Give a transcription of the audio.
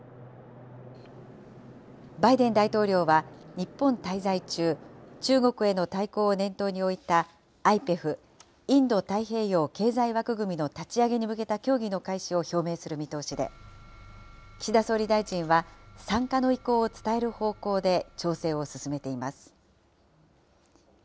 バイデン大統領は、日本滞在中、中国への対抗を念頭に置いた、ＩＰＥＦ・インド太平洋経済枠組みの立ち上げに向けた協議の開始を表明する見通しで、岸田総理大臣は参加の意向を伝える方向で調整を進めています。